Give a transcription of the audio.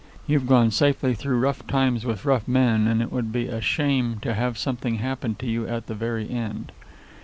You've gone safely through rough times with rough men, and it would be a shame to have something happen to you at the very end."